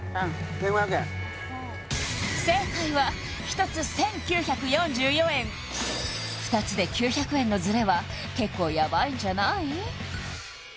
１５００円正解は１つ１９４４円２つで９００円のズレは結構やばいんじゃない？